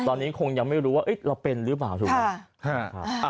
ตอนนี้คงยังไม่รู้ว่าเอ๊ะเราเป็นหรือเปล่าถูกหรือเปล่า